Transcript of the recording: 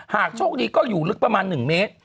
โชคดีก็อยู่ลึกประมาณ๑เมตร